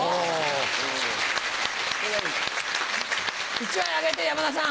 １枚あげて山田さん！